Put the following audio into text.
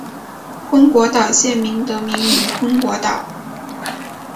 昏果岛县得名于昏果岛。